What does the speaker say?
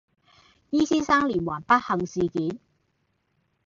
E 先生連環不幸事件